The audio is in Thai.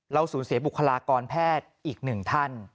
สูญเสียบุคลากรแพทย์อีกหนึ่งท่าน